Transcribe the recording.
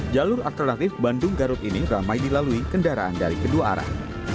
jalur alternatif bandung garut ini ramai dilalui kendaraan dari kedua arah